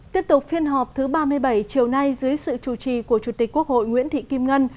tiếp tục phiên họp thứ ba mươi bảy chiều nay dưới sự chủ trì của chủ tịch quốc hội nguyễn thị kim ngân